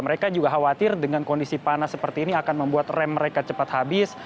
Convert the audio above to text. mereka juga khawatir dengan kondisi panas seperti ini akan membuat rem mereka cepat habis